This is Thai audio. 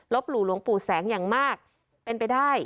หลู่หลวงปู่แสงอย่างมากเป็นไปได้